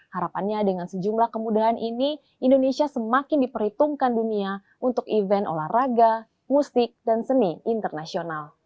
harapannya dengan sejumlah kemudahan ini indonesia semakin diperhitungkan dunia untuk event olahraga musik dan seni internasional